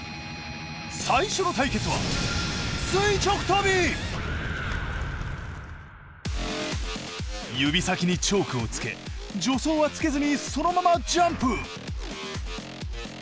最初の対決は指先にチョークをつけ助走はつけずにそのままジャンプ！